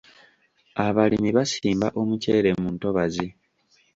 Abalimi basimba omuceere mu ntobazi.